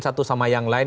satu sama yang lain